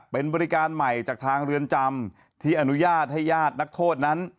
เป็นบริการใหม่จากทางเรือนจำที่อนุญาตให้ญาตินักโทษนั้น